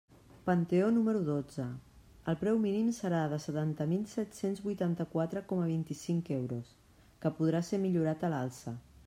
Panteó número dotze: el preu mínim serà de setanta mil set-cents vuitanta-quatre coma vint-i-cinc euros, que podrà ser millorat a l'alça.